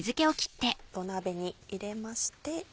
土鍋に入れまして。